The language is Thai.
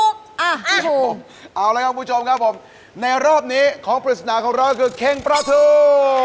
ก็คือเค็งปลาถู